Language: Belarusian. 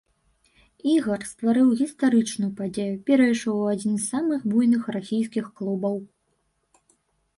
Ігар стварыў гістарычную падзею, перайшоў у адзін з самых буйных расійскіх клубаў.